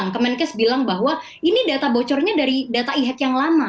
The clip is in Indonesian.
kemenkes bilang bahwa ini data bocornya dari data e hack yang lama